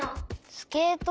スケート？